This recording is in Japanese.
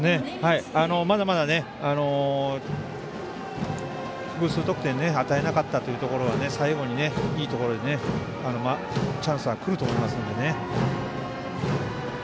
まだまだ複数得点与えなかったというのが最後にいいところでチャンスはくると思いますので。